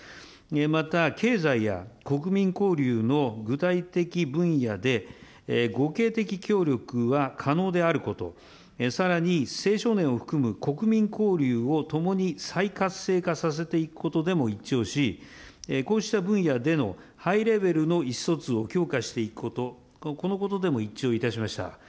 また経済や国民交流の具体的分野で、互恵的協力は可能であること、さらに青少年を含む国民交流をともに再活性化させていくことでも一致をし、こうした分野でのハイレベルの意思疎通を強化していくこと、このことでも一致をいたしました。